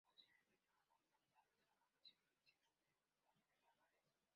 Posteriormente fue cofundador de la Fundación Universitaria Los Libertadores.